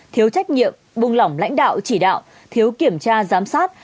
thiếu trách nhiệm buông lỏng lãnh đạo chỉ đạo thiếu kiểm tra giám sát